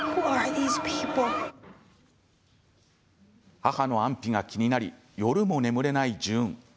母の安否が気になり夜も眠れないジューン。